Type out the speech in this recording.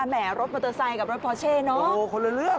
แหมรถมอเตอร์ไซค์กับรถพอเช่เนอะโอ้โหคนละเรื่อง